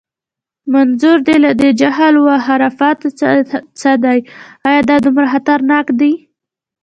منظور دې له دې جهل و خرافاتو څه دی؟ ایا دا دومره خطرناک دي؟